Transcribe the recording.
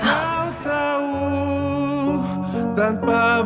tau tau tanpa batas waktu